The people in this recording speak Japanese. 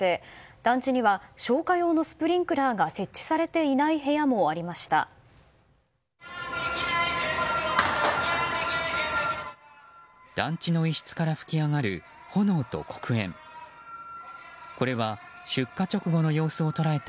団地には消火用のスプリンクラーが設置されていない部屋もありました。